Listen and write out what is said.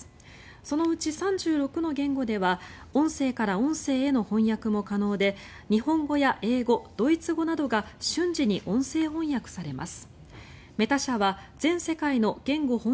そのうち３６の言語では音声から音声への翻訳も可能で日本語や英語、ドイツ語などが瞬時に音声翻訳されます。